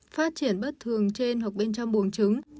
phát triển bất thường trên hoặc bên trong buồng trứng